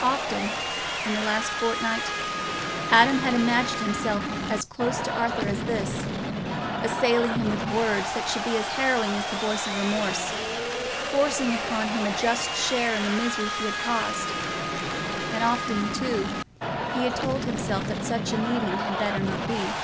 Often, in the last fortnight, Adam had imagined himself as close to Arthur as this, assailing him with words that should be as harrowing as the voice of remorse, forcing upon him a just share in the misery he had caused; and often, too, he had told himself that such a meeting had better not be.